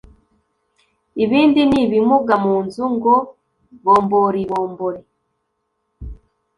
Ibibindi n'ibimuga mu nzu ngo bomboribombori